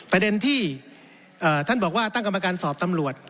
ประเด็นที่ท่านบอกว่าตั้งกรรมการสอบตำรวจ